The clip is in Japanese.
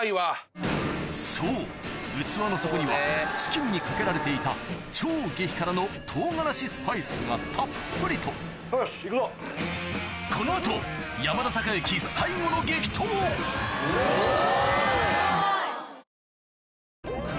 そう器の底にはチキンにかけられていた超激辛の唐辛子スパイスがたっぷりとこの後山田孝之最後の激闘おぉ！